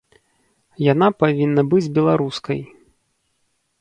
Яна павінна быць беларускай.